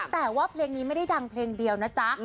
แต่ว่าเพลงนี้ไม่ได้ดังเพลงเดียวนะจ๊ะ